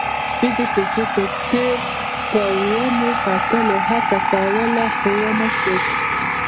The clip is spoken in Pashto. سپي د پيشو په څېر په ونې د ختلو هڅه کوله، خو ونه شول.